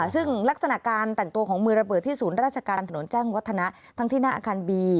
ซึ่งลักษณะการแต่งตัวของมือระเบิดที่ศูนย์ราชการถนนแจ้งวัฒนะทั้งที่หน้าอาคารบี